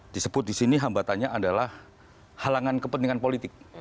disebut di sini hambatannya adalah halangan kepentingan politik